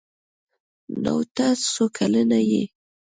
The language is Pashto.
_نوته څو کلن يې؟